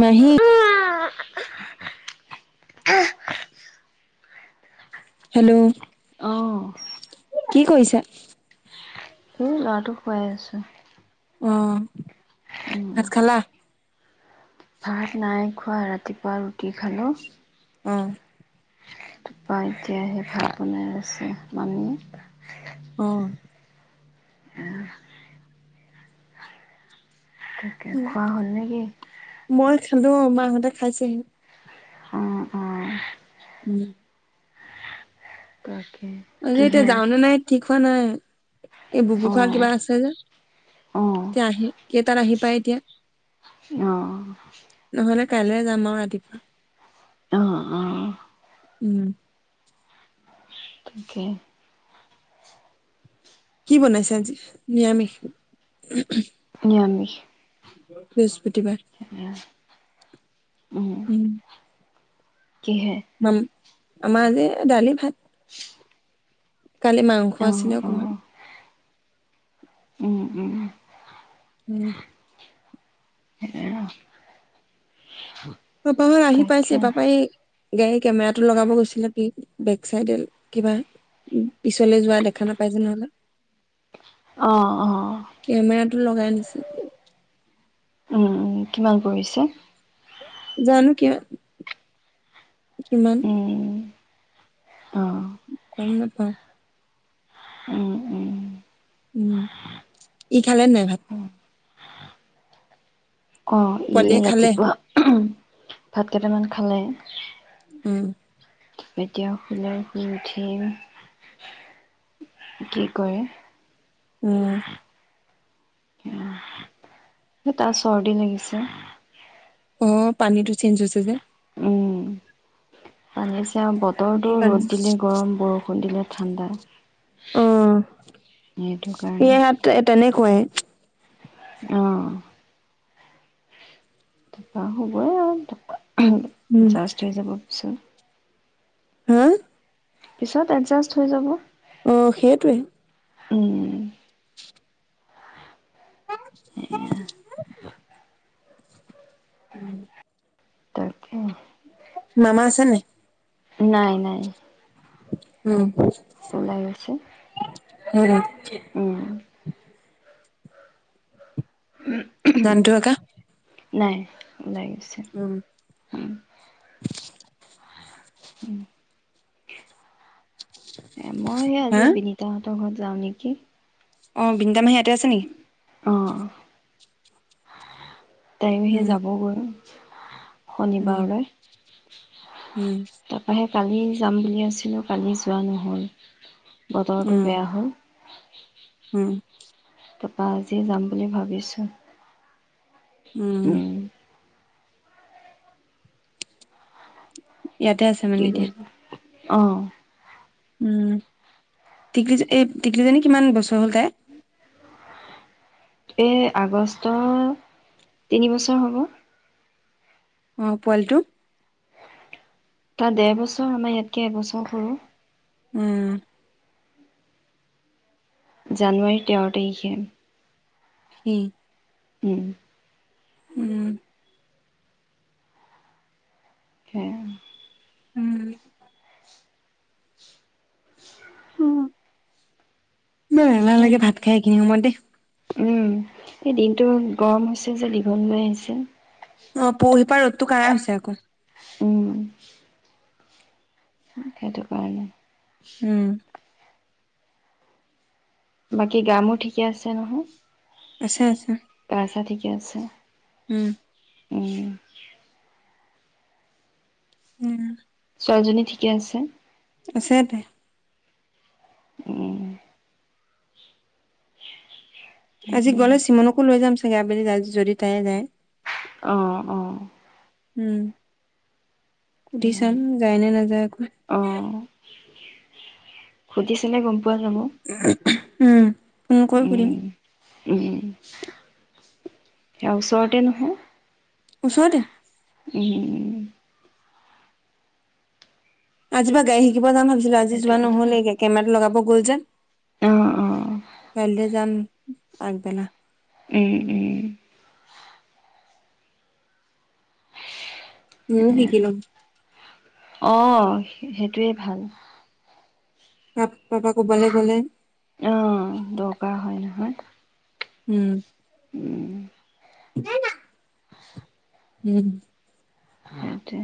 মাহী [unintelligible] হেল্ল' কি কৰিছা। এ' ল'ৰাটো শুৱাই আছোঁ। অ'। ভাত খালা। ভাত নাই খোৱা ৰাতিপুৱা ৰুটি খালো। অঁ। তাৰপা এতিয়াহে ভাত বনাই আছে মামিয়ে। অ'। খোৱা হ'ল নেকি? মই মাহঁতে খাইছেহি। অ', অ', উম। তাকে আমি এতিয়া কিহে যাও নে নাই ঠিক খোৱা নাই, এই বুবু খুৰা অ', কিবা আছে যে অ', এতিয়া আহি কেইতাত আহি পায় এতিয়া। নহলে [inaudible] কাইলে যাম আৰু ৰাতিপুৱা। অ', অ', উম। তাকে। কি বনাইছে আজি নিৰামিষ। নিৰামিষ। বৃহস্পতিবাৰ। ঠিকে আছে। উম। কিহে ম আম যে এ দালি ভাত কালি মাংস অ', আছিলে অকমান অ', উম, উম, উম অপাহৰ আহি তাকে পাইছে পাপাই গাড়ী কেমেৰাটো লগাব গৈছিলে বেক চাইডে কিবা পিছলে যোৱা দেখা নাপাইছে নহলে অ অ কেমেৰাতটো লগাই নিছিল উম, কিমান পৰিছে জানো কিিয় কিমান উম, অ', [unintelligible] গম নেপাওঁ- উম, উম উম, ই খালে নে ভাত? অ ইএ পোৱালিয়ে খালে ৰাতিপুৱা- ভাত কেটেমান খালে। উম- এতিয়া শুলৰ শুই উঠিয়ে, কি কৰে? উম্- হেই তাৰ চৰ্দি লাগিছে। অ পানীটো চেঞ্জ হৈছে যে- উম তানিছ- এতিয়া বতৰটো সেইটো কাৰণে ৰ'দ দিলে গৰম বৰষুণ দিলে- ঠাণ্ডা- অ সেইটো কাৰণে, ইহাত তে-তেনে- কুৱেইট- অ- তপা হ'বই আৰু তপা- উম [unintelligible] জাৰষ্ট হৈ যাব পিচত-ন হা- পিছত এডজাস্ট হৈ যাব। অ সেইটোৱে- উম- সেইয়াই উম- তাকে- মামা আছে নাই? নাই নাই, উম [unintelligible] ওলাই গৈছে, উম উম- ঝানতো আকা- নাই ওলাই- গৈছে, আম- উম- এ মইযে হা আজি বিনিতাহঁত তোৰ ঘৰত যাওঁ নেকি? অ বিনিতামাহি ইয়াতে আছে নিকি? অঁ- টাইম আহিলে উম যাব গৈ। [unintelligible] উম শনিবাৰলৈ উম তাপাহে- কালি যাম বুলি আছিলোঁ কালি যোৱা নহ'ল। বতৰটো উম, বেয়া হ'ল উম তাৰপৰা আজি যাম বুলি ভাবিছোঁ উম ইয়াতে আছে মানে এতিয়া আহ উম টিকলি এই টিকলিজনী কিমান বছৰ হল তাই এ আগষ্টৰ তিনি বছৰ হ'ব অ পোৱালিটো তাৰ দেেৰ বছৰ আমাৰ ইয়াতকে এবছৰ সৰুো উম জানুৱাৰী তেৰ তাৰিখে হম উম উম স উম উম ব ন নাল লাগে ভাত খাই সিনি সময় দ উম এই দিনটো গৰম হৈছে যে দীঘল মাই আহিছে অ পঢহি পাৰ তো ক হৈছে আকৌ উ সেইটো কাৰণে উম, বাকী গামো ঠিকে আছে নহয় আছো আছা া ঠিকে আছে উম উম উম ছোৱালীজনী ঠিকে আছে আছেতে উম। আজি উম। গ'লে চিমনকো লৈ যাম চ আ বুলিলি আজি যদি তাই যায়। আহ আহ। উম। সুধি চাম সেয়াই যায় নে নাযায় আকৌ সুধিছেনে গম পাই। উ উম। ফোনকৈ সুধিম। উম, উম সেয়া ওচৰতে নহয়। ওচৰতে উওম। আজিবা গায়ি শিকিব যাম ছিল আজি সেইটো যোৱা কথা। নহ'লে এ কেমেৰাটো লগাব। গোল্জন অ', অ', কাইলৈ যাম। আগবেলা উম উম। ম শিকিলম অ সেইটোৱে ভাল পাপ পাপা কবালে গলে অ দৰকাৰ হয় ন। হয়। উম। উম। না না [unintelligible] উম। সেইটো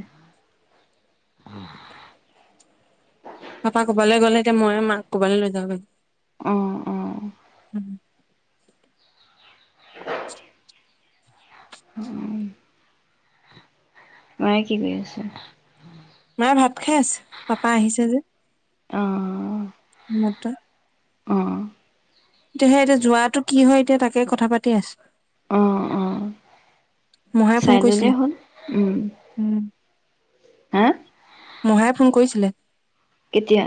এ পাপা কবালে গ'লে এতিয়া মই মাক ক'বা লে লৈ যাওঁ লাগি আহ আহ। [unintelligible] অঁ মায়ে কি কৰি আছে? মায়ে ভাত খাই আছে পাপা আহিছে যে অ। নটা অ এতিয়া সেই এতিয়া যোৱাটো কি হয় এতিয়া তাকে কথা পাতি আছো। অ অ মহায়ে চাই ফোন ল'লে কৰিছিলে হ'ল। উম, উম হা মহায়ে ফোন কৰিছিলে কেতিয়া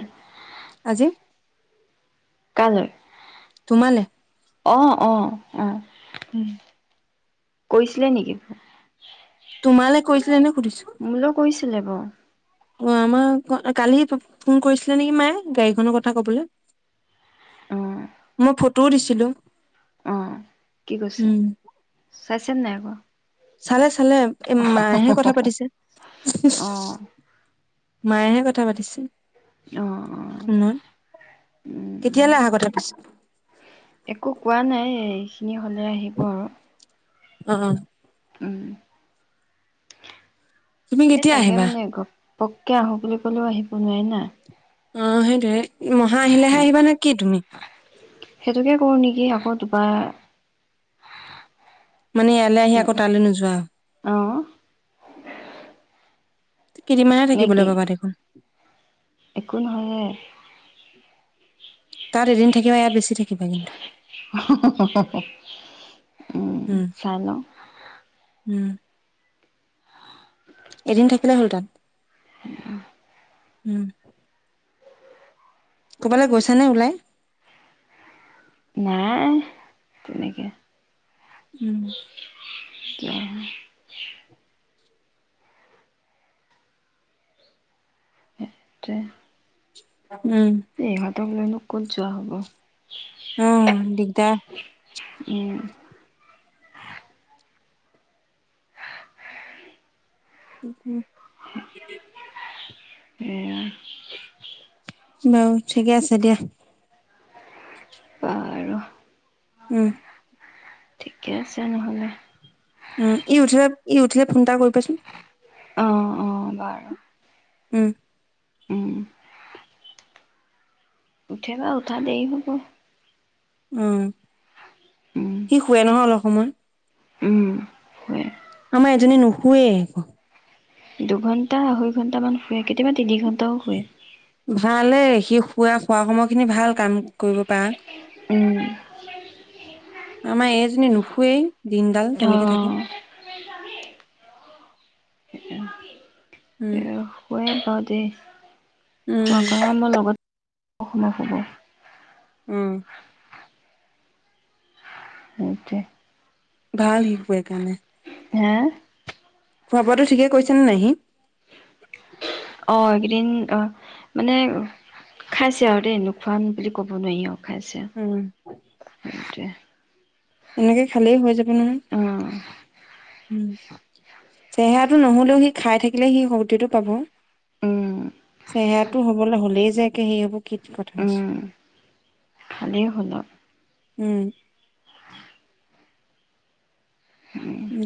আজি কলৈ তোমাল অ অ অ উম কৈছিলে নেকি তোমালৈ কৈছিলে নে সুধিছো ছিলে ব অ আমাৰ কালি ফোন কৰিছিলে নেকি মায়ে গাড়ীখনৰ কথা কবলৈ মোৰ ফু ত দিছিলোঁ আহ কি কৈছে চাইচ নাই আকৌ চালে চালে মাহেহে কথা পাতিছে অ মায়েহে কথা পাতিছিল অ অ শত উম কেতিয়ালৈ অা কথা পিছ একো কোৱা নাই আপিনি হ'লে আহিব আৰু অ অ উম তুমি এ কেতিয়া তাকে আহিবা মানে একপ পপককে আহো বুলি ক'লেও আহিব নোৱাৰি না অ হ মহা আহিলেহে আহিবাানে কি তুমি সেইটোকে কৰো নেকি আকৌ দু বাাৰ মানে ইয়ালৈ আহি আকৌ তালৈ নোযোৱা অ কেইদিনমানে থাকিবলৈ নেকি পাবা দেখোন একো নহয় তাৰ এদিন থাকিবা ইয়াৰ বেছি থাকিবা কিন্তু উম চাই লওঁ উম এদিন থাকিলে হল তাত আহ উম ক'বালৈ গৈচে নে ওলাই। নাই, তেনেকে। উম [unintelligible] [unintelligible] অ উম। তক লৈনো ক'ত যোৱা হ'ব। অঁ, দিগদাৰ উম [unintelligible] এয়া। বাৰু, ঠিকে আছে দিয়া। বাৰু উম। ঠিকে আছে, নহ'লে। উম, ই উঠিলে ই উঠিলে, ফোন এটা কৰিবাচোন। অ অ', বাৰু। উম। উম উঠে বা উঠা দেৰি হ'ব। উম, উম সি শুৱে নহয়, অলপ সময়। উম শুৱে আমাৰ এজনীয়ে নুশুৱে একো। দুঘণ্টা আঢ়ৈ ঘণ্টামান শুৱে, কেতিয়াবা তিনি ঘণ্ট টাও শুৱে। ভালেই, সি শুৱে, শুৱা সময়খিনি ভাল কাম কৰিব পাৰা। উম। আমাৰ এইজনী নুশোৱেই দিনডাল অ তেনেকে থাকে। উম। [unintelligible] [unintelligible] উম আমাৰ লগত অকমান শুব। উম। সেইটোৱে। ভাল সি শুয়ে কাৰণে। হে। খোৱা-বোৱাটো ঠিকেই কৰিছে নাই সি। অ', এইকেইদিন, অ, মানে খাইছে আৰু দেই নোখোৱা বুলি ক'ব নোৱাৰি আৰু। খাইছে, উম সেইটোৱেই। এনেকে খালেই হৈ যাব। [unintelligible] অ উম, চেহেৰাটো নহ'লেও সি খাই থাকিলে সি শক্তিটো পাব। উম। চেহেৰাটো হ'বলৈ হ'লেই যেই একে সেই হ'ব কি কথা আছে। খালেই হ'ল আৰু। উম।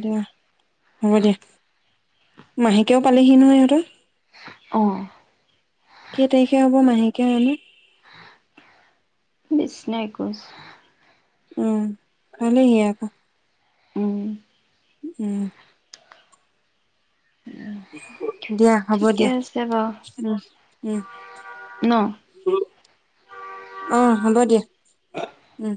দিয়া হ'ব দিয়া। মাহেকেও পালেহি নহয়, সিহঁতৰ অ'। কেই তাৰিখে হ'ব? মাহেকীয়া জানো বিছ নে একৈশ? উম, পালেহিয়েই, আকৌ উম উম। কো [unintelligible] দিয়া, হ'ব ঠিকে দিয়া। আছে বাৰু উম। উম ন আহ হ'ব দিয়া উম